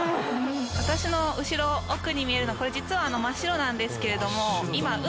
私の後ろ奥に見えるのこれ実は真っ白なんですけれども。